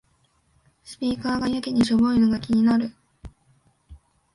スピーカーがやけにしょぼいのが気になる